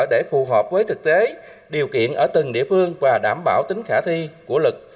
để phù hợp với thực tế điều kiện ở từng địa phương và đảm bảo tính khả thi của lực